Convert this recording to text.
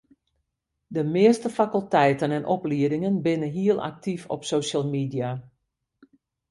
De measte fakulteiten en opliedingen binne hiel aktyf op social media.